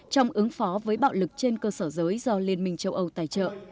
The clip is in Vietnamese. trong ứng phó với bạo lực trên cơ sở giới do liên minh châu âu tài trợ